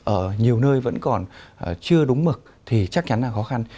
ở nhiều nơi vẫn còn chưa đúng mực thì chắc chắn là khó khăn